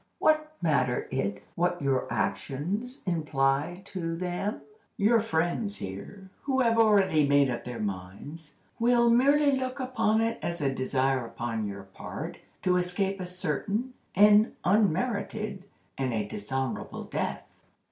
What matters it what your actions imply to them? Your friends here, who have already made up their minds, will merely look upon it as a desire upon your part to escape a certain, an unmerited, and a dishonorable death."